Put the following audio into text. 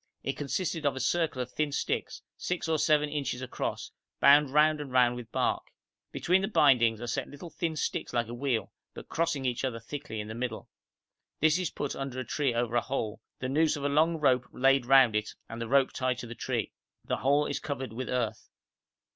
It consisted of a circle of thin sticks, 6 or 7 inches across, bound round and round with bark. Between the bindings are set little thin sticks like a wheel, but crossing each other thickly in the middle. This is put under a tree over a hole, the noose of a long rope laid round it and the rope tied to the tree; the whole is covered with earth.